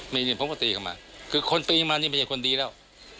ไม่มีประสิทธิ์แล้ว